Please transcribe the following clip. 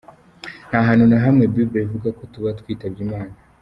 Nta hantu na hamwe bible ivuga ko tuba twitabye imana.